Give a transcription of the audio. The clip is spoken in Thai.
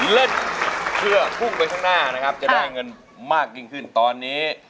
เล่นเพื่อพุ่งไปข้างหน้านะครับจะได้เงินมากยิ่งขึ้นตอนนี้